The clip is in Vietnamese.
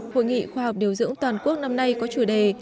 hội nghị khoa học điều dưỡng toàn quốc năm nay có chủ đề